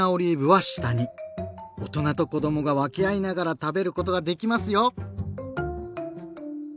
大人と子どもが分け合いながら食べることができますよ！